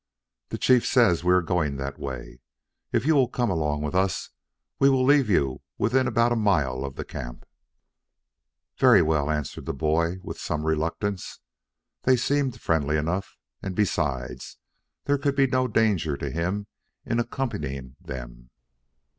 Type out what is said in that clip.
"The chief says we are going that way. If you will come along with us we will leave you within about a mile of the camp." "Very well," answered the boy, with some reluctance. They seemed friendly enough and, besides, there could be no danger to him in accompanying them.